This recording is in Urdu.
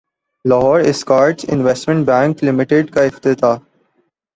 Lahore Escorts investment bank لمیٹڈکاافتتاح